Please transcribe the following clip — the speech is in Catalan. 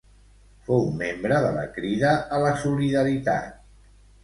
Fou membre de la Crida a la Solidaritat.